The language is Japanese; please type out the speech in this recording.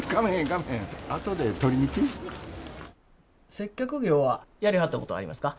接客業はやりはったことありますか？